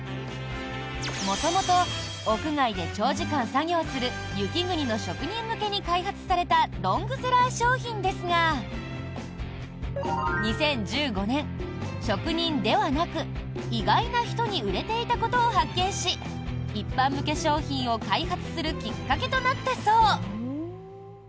元々、屋外で長時間作業する雪国の職人向けに開発されたロングセラー商品ですが２０１５年、職人ではなく意外な人に売れていたことを発見し一般向け商品を開発するきっかけとなったそう。